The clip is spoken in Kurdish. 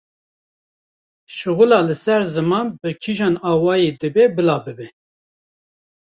Şixula li ser zimên bi kîjan awayî dibe bila bibe.